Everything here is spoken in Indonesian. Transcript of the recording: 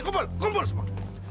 kumpul kumpul semua